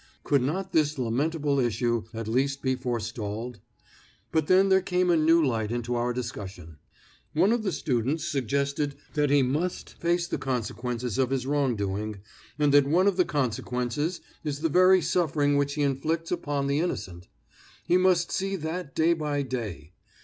Could not this lamentable issue at least be forestalled? But then there came a new light into our discussion. One of the students suggested that he must face the consequences of his wrongdoing, and that one of the consequences is the very suffering which he inflicts upon the innocent. He must see that day by day.